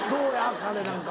彼なんか。